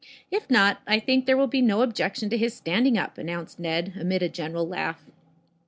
If not, I think there will be no objection to his standing up," announced Ned, amid a general laugh.